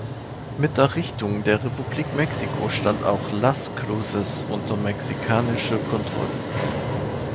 Mit Errichtung der Republik Mexiko stand auch Las Cruces unter mexikanischer Kontrolle.